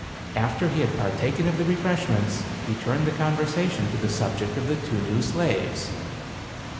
After he had partaken of the refreshments, he turned the conversation to the subject of the two new slaves.